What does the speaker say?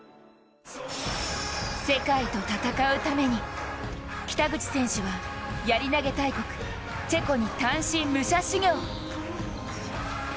世界と戦うために北口選手はやり投大国チェコに単身武者修行。